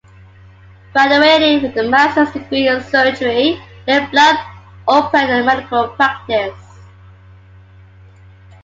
Graduating with a master's degree in surgery, Leblanc opened a medical practice.